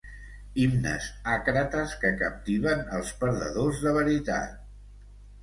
Himnes àcrates que captiven els perdedors de veritat.